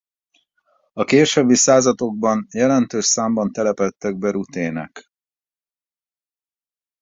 A későbbi századokban jelentős számban telepedtek be rutének.